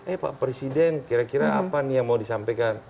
eh pak presiden kira kira apa nih yang mau disampaikan